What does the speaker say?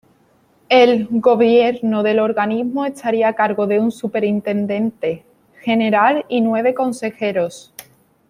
El gobierno del organismo estaría a cargo de un superintendente general y nueve consejeros.